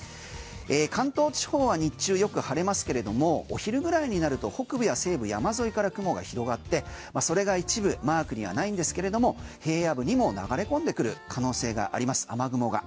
関東地方は日中よく晴れますけれどもお昼ぐらいになると北部や西部山沿いから雲が広がってそれが一部マークにはないんですけれども平野部にも流れ込んでくる可能性があります、雨雲が。